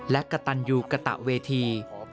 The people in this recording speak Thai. และกระตันยูกระตะเวที